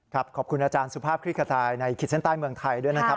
ขอบคุณอาจารย์สุภาพคลิกขจายในขีดเส้นใต้เมืองไทยด้วยนะครับ